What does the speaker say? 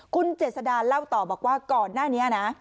คุณเจษดาเล่าต่อบอกว่าก่อนหน้านี้นะ